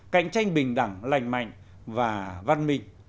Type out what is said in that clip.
cạnh tranh bình đẳng lành mạnh và văn minh